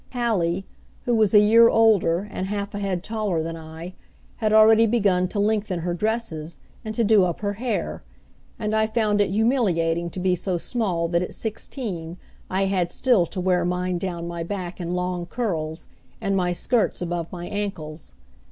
Hallie, who was a year older and half a head taller than I, had already begun to lengthen her dresses, and do up her hair, and I found it humiliating to be so small that at sixteen I had still to wear mine down my back in long curls, and my skirts above my ankles.